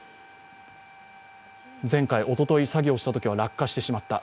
前回、おととい作業したときは落下してしまった。